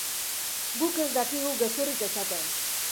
Guk ez dakigu gezurrik esaten.